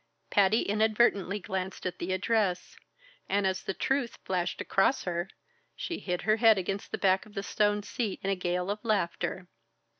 Patty inadvertently glanced at the address, and as the truth flashed across her, she hid her head against the back of the stone seat in a gale of laughter.